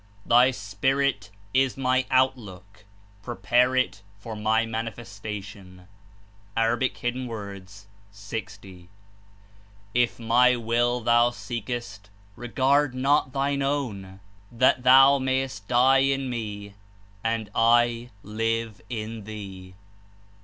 Thy spirit is my Outlook: prepare it for my Manifestation/^ (A. 60.) ^^If my Will thou seekest, regard not thine ozvn, that thou mayest die in Me, and I live in thee."